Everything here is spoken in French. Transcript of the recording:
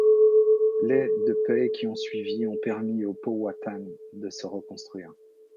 Les de paix qui ont suivi ont permis aux Powhatans de se reconstruire.